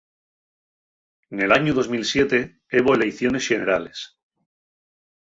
Nel añu dos mil siete hebo eleiciones Xenerales.